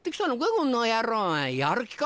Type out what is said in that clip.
この野郎やる気か？